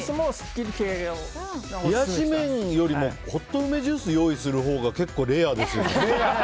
冷やし麺よりもホット梅ジュースを用意するほうがレアですよね。